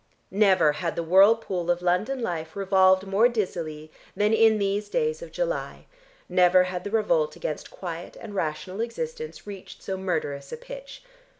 Never had the whirlpool of London life revolved more dizzily than in these days of July; never had the revolt against quiet and rational existence reached so murderous a pitch.